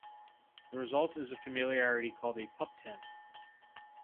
The result is familiarly called a pup tent.